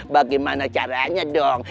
bagaimana caranya dong